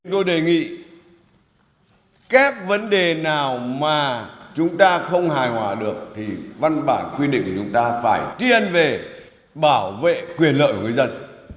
tôi đề nghị các vấn đề nào mà chúng ta không hài hòa được thì văn bản quy định của chúng ta phải tiên về bảo vệ quyền lợi của người dân